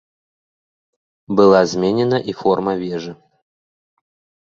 Была зменена і форма вежы.